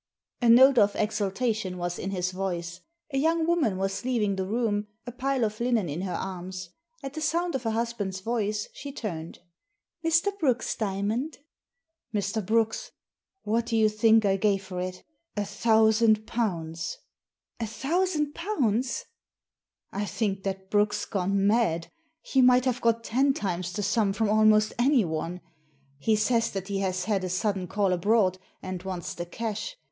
A note of exultation was in his voice. A young woman was leaving the room, a pile of linen in her arms. At the sound of her husband's voice she turned. " Mr. Brooke's diamond ?" Digitized by VjOOQIC THE DIAMONDS 195 "Mr. Brooke's! What do you think I gave for it? A thousand pounds," "A thousand pounds !"" I think that Brooke's gone mad. He might have got ten times the sum from almost anyone. He says that he has had a sudden call abroad, and wants the cash.